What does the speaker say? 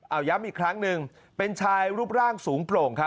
เอาย้ำอีกครั้งหนึ่งเป็นชายรูปร่างสูงโปร่ง